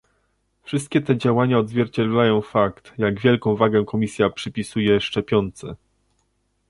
Wszystkie te działania odzwierciedlają fakt, jak wielką wagę Komisja przypisuje szczepionce